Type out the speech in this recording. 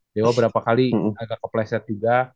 dewa berapa kali agak kepleset juga